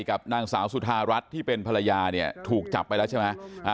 กับนางสาวสุธารัฐที่เป็นภรรยาเนี่ยถูกจับไปแล้วใช่ไหม